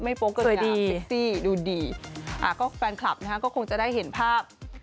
ไม่โป๊ะเกินอย่างเซ็กซี่ดูดีอ่ะก็แฟนคลับนะครับก็คงจะได้เห็นภาพ